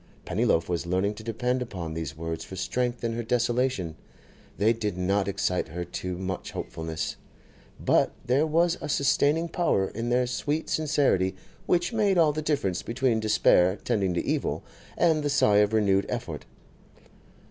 Pennyloaf was learning to depend upon these words for strength in her desolation. They did not excite her to much hopefulness, but there was a sustaining power in their sweet sincerity which made all the difference between despair tending to evil and the sigh of renewed effort.